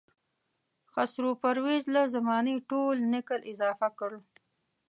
خسرو پرویز له زمانې ټول نکل اضافه کړ.